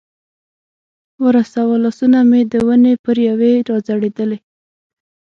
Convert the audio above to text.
ورساوه، لاسونه مې د ونې پر یوې را ځړېدلې.